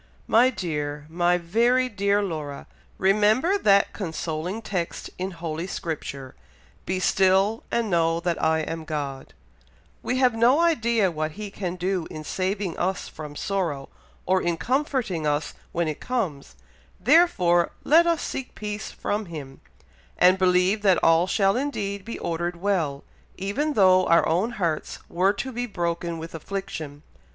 "My dear, my very dear Laura! remember that consoling text in holy Scripture, 'Be still, and know that I am God;' we have no idea what He can do in saving us from sorrow, or in comforting us when it comes, therefore let us seek peace from Him, and believe that all shall indeed be ordered well, even though our own hearts were to be broken with affliction.